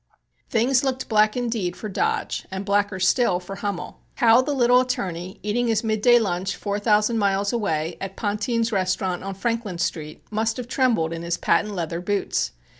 Things looked black indeed for Dodge and blacker still for Hummel. How the little attorney, eating his midday lunch four thousand miles away, at Pontin's restaurant on Franklin Street, must have trembled in his patent leather boots!